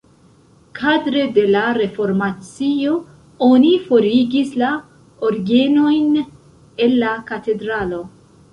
Kadre de la reformacio oni forigis la orgenojn el la katedralo.